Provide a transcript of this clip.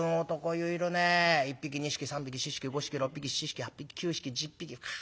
１匹２匹３匹４匹５匹６匹７匹８匹９匹１０匹。